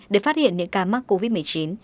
để phát hiện những ca mắc covid một mươi chín